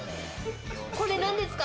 これなんですか？